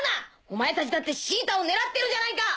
お前たちだってシータを狙ってるじゃないか！